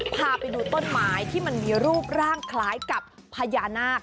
พาไปดูต้นไม้ที่มันมีรูปร่างคล้ายกับพญานาค